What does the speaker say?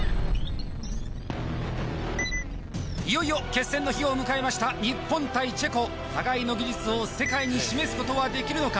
いよいよ決戦の日を迎えました日本対チェコ互いの技術を世界に示すことはできるのか？